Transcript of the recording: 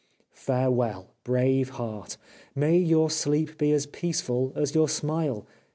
Farewell, brave heart ! May your sleep be as peaceful as your smile.